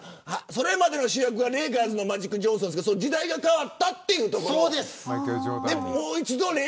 それまでの主役はレイカーズのマジック・ジョンソンですけど時代が変わった。